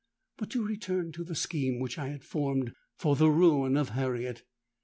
"But to return to the scheme which I had formed for the ruin of Harriet.